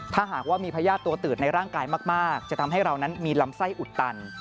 ถ้าหากว่ามีพญาติตัวตืดในร่างกายมากจะทำให้เรานั้นมีลำไส้อุดตัน